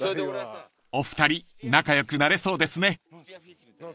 ［お二人仲良くなれそうですね］